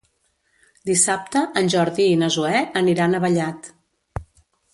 Dissabte en Jordi i na Zoè aniran a Vallat.